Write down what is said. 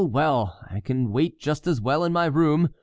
well! I can wait just as well in my room.